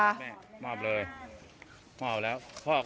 มาบเลยมาบแล้ว